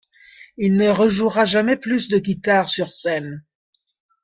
Il ne rejouera jamais plus de guitare sur scène.